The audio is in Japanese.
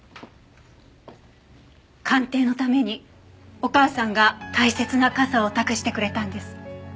鑑定のためにお母さんが大切な傘を託してくれたんです。